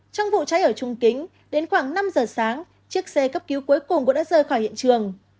trong vụ cháy ở trung kính đến khoảng năm giờ sáng chiếc xe cấp cứu cuối cùng cũng đã rời khỏi hiện trường